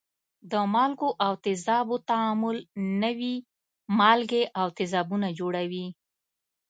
د مالګو او تیزابو تعامل نوي مالګې او تیزابونه جوړوي.